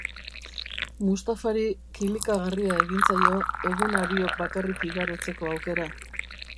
Mustafari kilikagarria egin zaio eguna biok bakarrik igarotzeko aukera.